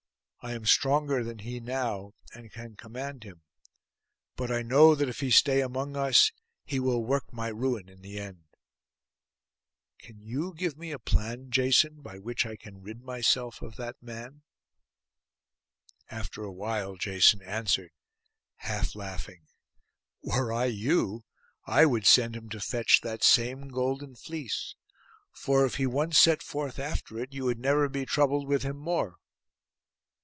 I am stronger than he now, and can command him; but I know that if he stay among us, he will work my ruin in the end. Can you give me a plan, Jason, by which I can rid myself of that man?' After awhile Jason answered, half laughing, 'Were I you, I would send him to fetch that same golden fleece; for if he once set forth after it you would never be troubled with him more.